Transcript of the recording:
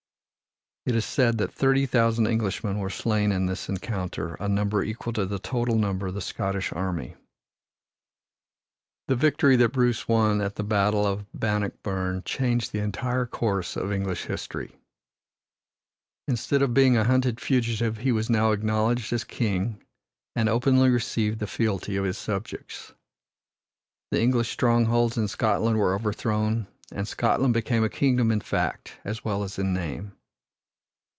It is said that thirty thousand Englishmen were slain in this encounter a number equal to the total number of the Scottish army. The victory that Bruce won at the battle of Bannockburn changed the entire course of English history. Instead of being a hunted fugitive he was now acknowledged as king and openly received the fealty of his subjects. The English strongholds in Scotland were overthrown, and Scotland became a kingdom in fact as well as in name.